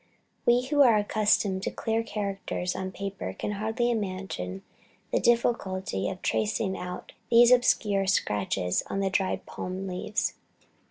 We who are accustomed to clear characters on paper can hardly imagine the difficulty of tracing out these obscure scratches on the dried palm leaves.